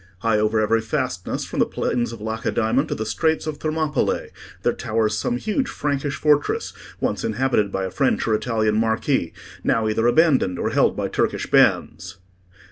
High over every fastness, from the plains of Lacedaemon to the straits of Thermopylae, there towers some huge Frankish fortress, once inhabited by a French or Italian marquis, now either abandoned or held by Turkish bands."